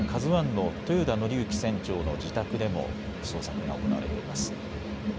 ＫＡＺＵＩの豊田徳幸船長の自宅でも捜索が行われています。